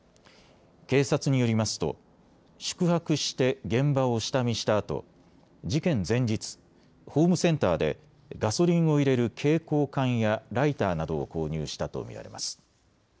警察によりますと宿泊して現場を下見したあと事件前日、ホームセンターでガソリンを入れる携行缶やライターなどを購入したと見られます。